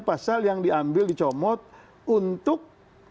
pasal yang diambil dicomot untuk